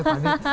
gak ada mangga